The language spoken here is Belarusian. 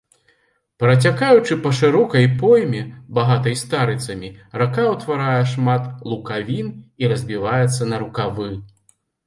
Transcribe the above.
Працякаючы па шырокай пойме, багатай старыцамі, рака ўтварае шмат лукавін і разбіваецца на рукавы.